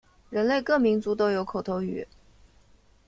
人类各民族都有口头语。